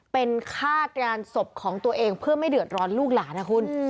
เป็นฆาตงานศพของตัวเองเพื่อไม่เดือดร้อนลูกหลานนะคุณ